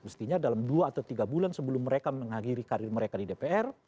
mestinya dalam dua atau tiga bulan sebelum mereka mengakhiri karir mereka di dpr